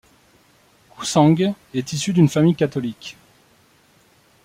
Ku Sang est issu d'une famille catholique.